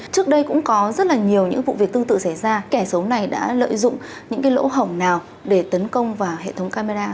trước đây cũng có rất là nhiều những vụ việc tương tự xảy ra kẻ xấu này đã lợi dụng những lỗ hỏng nào để tấn công vào hệ thống camera